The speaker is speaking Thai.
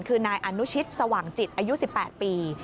คือนายอนุชิตสว่างจิตอายุ๑๘ปี